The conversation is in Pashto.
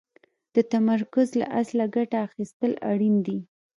د تمرکز له اصله ګټه اخيستل اړين دي.